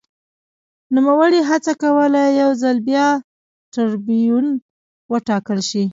نوموړي هڅه کوله یو ځل بیا ټربیون وټاکل شي